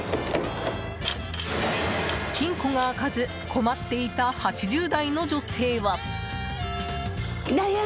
金庫が開かず困っていた８０代の女性は。